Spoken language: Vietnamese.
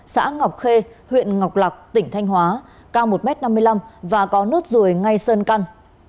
xã ngọc khê huyện ngọc lạc tỉnh thanh hóa cao một m năm mươi năm và có nốt ruồi ngay sơn căn